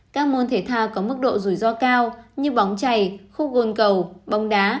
các môn thể thao có mức độ rủi ro cao như bóng chày khu gồn cầu bóng đá